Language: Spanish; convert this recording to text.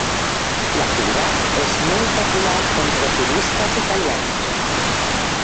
La ciudad es muy popular entre turistas italianos.